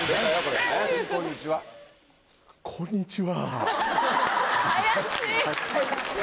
こんにちは。